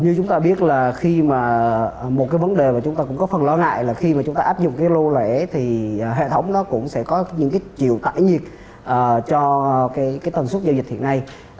như chúng ta biết là khi mà một cái vấn đề mà chúng ta cũng có phần lo ngại là khi mà chúng ta áp dụng cái lô lẻ thì hệ thống nó cũng sẽ có những cái chiều tải nhiệt cho cái tần suất giao dịch hiện nay